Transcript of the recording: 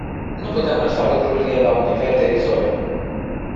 Nu putem lăsa lucrurile la un nivel derizoriu.